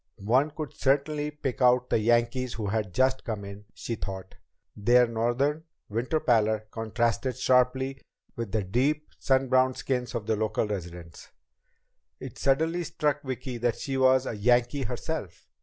One could certainly pick out the "Yankees" who had just come in, she thought. Their northern winter pallor contrasted sharply with the deep sun browned skins of the local residents. It suddenly struck Vicki that she was a "Yankee" herself.